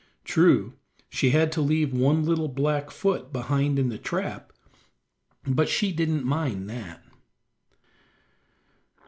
True, she had to leave one little black foot behind in the trap, but she didn't mind that.